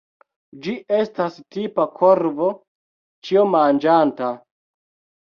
Ĝi estas tipa korvo ĉiomanĝanta.